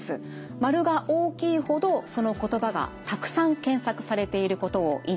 丸が大きいほどその言葉がたくさん検索されていることを意味しています。